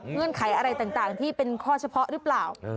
เงื่อนไขอะไรต่างที่เป็นข้อเฉพาะหรือเปล่า